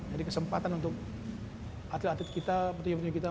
jadi kesempatan untuk atlet atlet kita petinju petinju kita